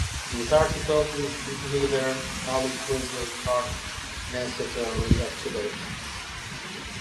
This article is neither all-inclusive nor necessarily up-to-date.